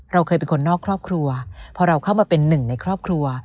เราเคยเป็นคนนอกครอบครัวพอเราเข้ามาเป็นหนึ่งในครอบครัว